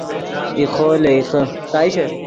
ایخو لے ایخے